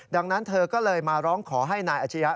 ดังนั้นเธอก็เลยมาร้องขอให้นายอาชียะ